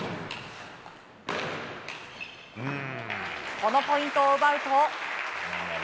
このポイントを奪うと。